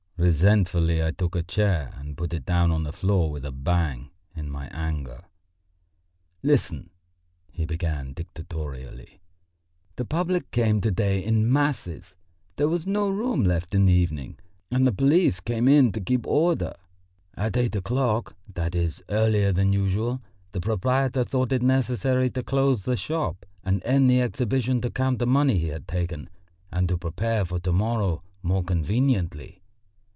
Resentfully I took a chair and put it down on the floor with a bang, in my anger. "Listen," he began dictatorially. "The public came to day in masses. There was no room left in the evening, and the police came in to keep order. At eight o'clock, that is, earlier than usual, the proprietor thought it necessary to close the shop and end the exhibition to count the money he had taken and prepare for to morrow more conveniently.